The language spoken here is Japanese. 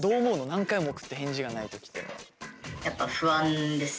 何回も送って返事がない時っていうのは。